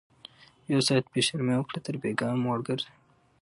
ـ يو ساعت بې شرمي وکړه تر بيګاه موړ ګرځه